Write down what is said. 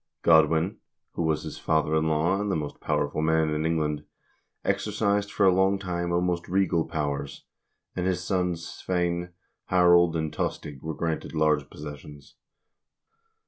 Godwin, who was his father in law and the most powerful man in England, exercised for a long time almost regal powers, and his sons Sweyn, Harold, and Tostig were granted large possessions.